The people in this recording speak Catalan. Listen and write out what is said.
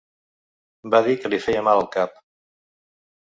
Va dir que li feia mal el cap.